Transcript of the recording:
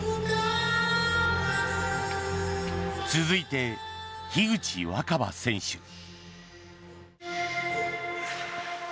続いて、樋口新葉選手。